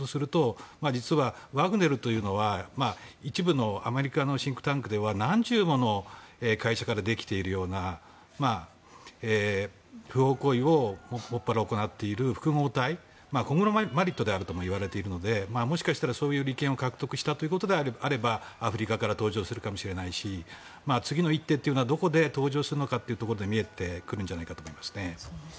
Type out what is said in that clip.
実はワグネルというのは一部のアメリカのシンクタンクでは何十もの会社からできているような不法行為をもっぱら行っている複合体コングロマリットであるといわれているのでもしかしたら、そういう利権を獲得したこともあればアフリカから登場するかもしれないし次の一手はどこから登場するのかというところで見えてくるんじゃないかと思いますね。